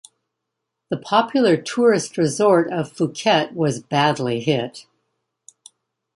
The popular tourist resort of Phuket was badly hit.